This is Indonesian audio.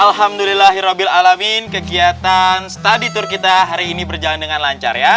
alhamdulillah hirobil alamin kegiatan study tour kita hari ini berjalan dengan lancar ya